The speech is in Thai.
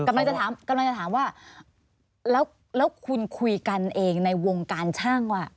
กำลังจะถามว่าแล้วคุณคุยกันเองในวงการช่างว่า